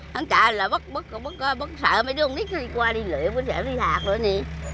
hắn chạy là bất sợ mấy đứa không biết đi qua đi lưỡi bất sợ đi hạt nữa nhỉ